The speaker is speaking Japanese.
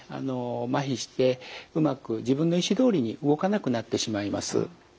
まひしてうまく自分の意思どおりに動かなくなってしまいます。